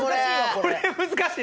これ難しい。